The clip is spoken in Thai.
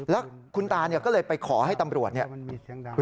แล้วคุณตาก็เลยไปขอให้ตำรวจเนี่ย